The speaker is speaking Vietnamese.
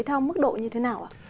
theo mức độ như thế nào ạ